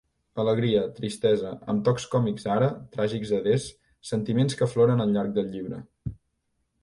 Alegria, tristesa, amb tocs còmics ara, tràgics adés, sentiments que afloren al llarg del llibre.